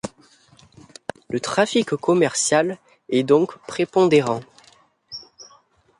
Le trafic commercial est donc prépondérant.